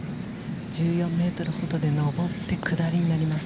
１４メートルほどで、上って下りになります。